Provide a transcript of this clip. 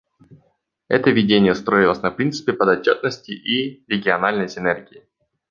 Это видение строилось на принципе подотчетности и региональной синергии.